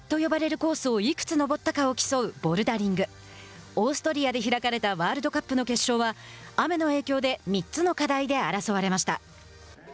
オーストリアで開かれたワールドカップの決勝は雨の影響で３つの課題で争われました。